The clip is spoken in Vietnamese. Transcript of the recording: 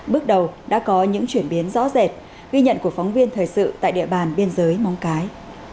bước đầu đã có những chuyển biến rõ rệt ghi nhận của phóng viên thời sự tại địa bàn biên giới móng cái